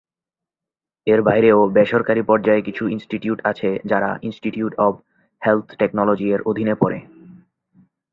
এর বাইরেও বেসরকারী পর্যায়ে কিছু ইনস্টিটিউট আছে যারা ইনস্টিটিউট অব হেলথ টেকনোলজি এর অধীনে পড়ে।